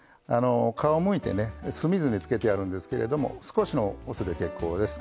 皮むいてねで酢水につけてあるんですけれども少しのお酢で結構です。